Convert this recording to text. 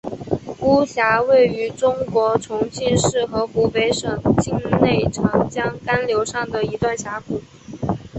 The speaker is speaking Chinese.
巫峡位于中国重庆市和湖北省境内长江干流上的一段峡谷。